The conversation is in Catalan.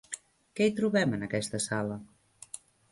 Què hi trobem en aquesta sala?